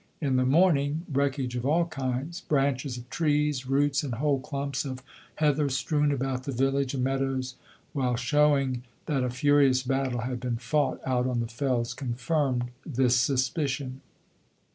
In the morning, wreckage of all kinds, branches of trees, roots, and whole clumps of heather strewn about the village and meadows, while showing that a furious battle had been fought out on the fells, confirmed this suspicion.